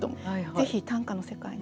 ぜひ短歌の世界に。